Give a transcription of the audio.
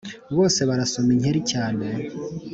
Bose barasoma nkeri cyane,